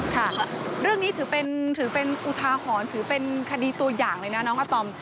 ค่ะเรื่องนี้ถือเป็นอุทาหรณ์ถือเป็นคดีตัวอย่างเลยนะน้องอาตอม